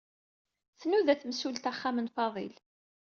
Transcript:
Tnuda temsulta axxam n Fadil.